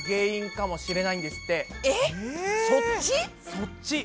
そっち。